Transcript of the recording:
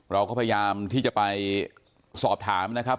เราก็พยายามที่จะไปสอบถามนะครับ